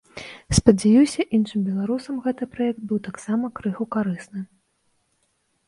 Спадзяюся, іншым беларусам гэты праект быў таксама крыху карысны.